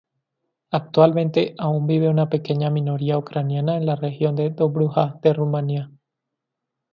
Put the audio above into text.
Actualmente aún vive una pequeña minoría ucraniana en la región de Dobruja de Rumanía.